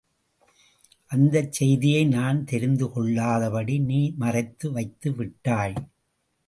அந்தச் செய்தியை நான் தெரிந்துகொள்ளாதபடி நீ மறைத்து வைத்துவிட்டாய்.